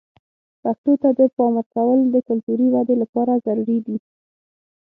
پښتو ته د پام ورکول د کلتوري ودې لپاره ضروري دي.